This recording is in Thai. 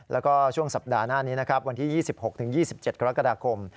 แล้วก็ช่วงสัปดาห์หน้านี้นะครับวันที่๒๖๒๗กรกฎาคม